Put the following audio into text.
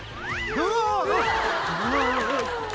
うわ。